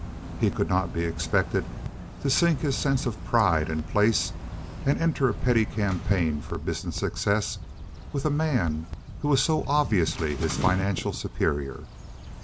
He could not be expected to sink his sense of pride and place, and enter a petty campaign for business success with a man who was so obviously his financial superior.